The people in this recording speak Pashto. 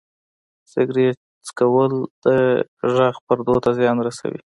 سګرټو څښل د غږ پردو ته زیان رسوي.